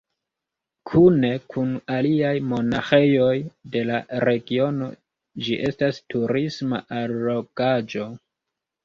Kune kun aliaj monaĥejoj de la regiono ĝi estas turisma allogaĵo.